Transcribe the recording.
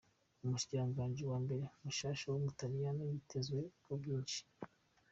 Umushikiranganji wambere mushasha w'Ubutaliyano yitezwe ko vyinshi.